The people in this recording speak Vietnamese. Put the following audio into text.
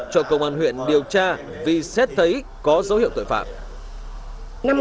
cho công an huyện điều tra vì xét thấy có dấu hiệu tội phạm